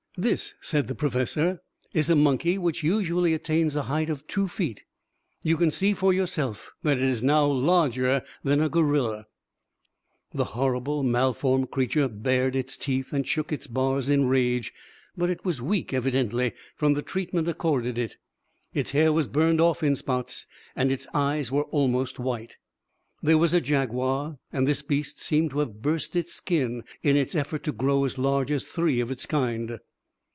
"This," said the professor, "is a monkey which usually attains a height of two feet. You can see for yourself that it is now larger than a gorilla." The horrible, malformed creature bared its teeth and shook its bars in rage, but it was weak, evidently, from the treatment accorded it. Its hair was burned off in spots, and its eyes were almost white. There was a jaguar, and this beast seemed to have burst its skin in its effort to grow as large as three of its kind.